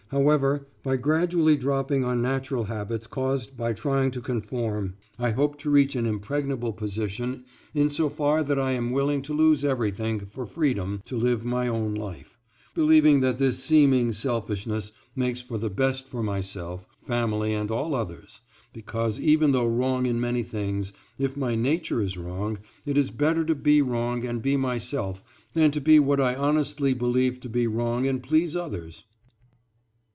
However, by gradually dropping unnatural habits caused by trying to conform, I hope to reach an impregnable position insofar that I am willing to lose everything for freedom to live my own life, believing that this seeming selfishness makes for the best for myself, family and all others, because even though wrong in many things, if my nature is wrong, it is better to be wrong and be myself than to be what I honestly believe to be wrong and please others.